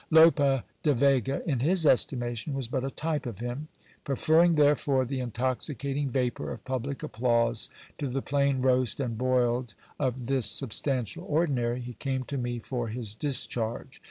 Lope de Vega, in his estimation, was but a type of him : preferring, therefore, the intoxicating vapour of public applause to the plain roast and boiled of this substantial ordinary, he came to me for his discharge.